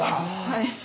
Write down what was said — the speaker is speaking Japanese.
はい。